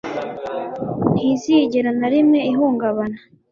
ntizigera na rimwe ihungabana